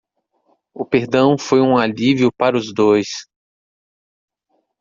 O perdão foi um alívio para os dois